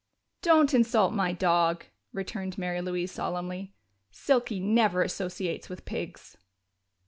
"Don't insult my dog!" returned Mary Louise solemnly. "Silky never associates with pigs!"